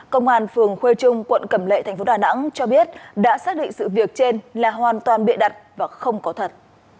công an phường khuê trung quận cẩm lệ tp đà nẵng cho biết đã xác định sự việc trên là hoàn toàn bị đặt và không có thật